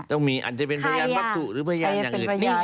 ต้องมีอาจจะเป็นพยานวัตถุหรือพยานอย่างอื่นได้